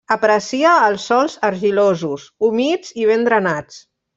Aprecia els sols argilosos, humits i ben drenats.